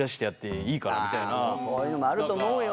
そういうのもあると思うよ。